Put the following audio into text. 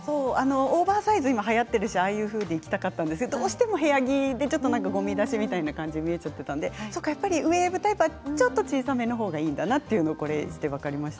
オーバーサイズ、今はやっているのでああいうふうにしたかったんですけどどうしても部屋着でごみ出しのように見えてしまったのでウエーブタイプはちょっと小さめの方がいいんだなとこれを知って分かりました。